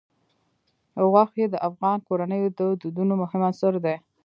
غوښې د افغان کورنیو د دودونو مهم عنصر دی.